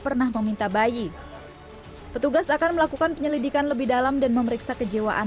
pernah meminta bayi petugas akan melakukan penyelidikan lebih dalam dan memeriksa kejiwaan